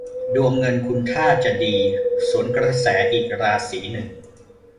ดวงเงินคุณดูท่าจะดีสวนกระแสอีกราศีหนึ่ง